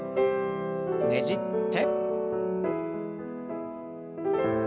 ねじって。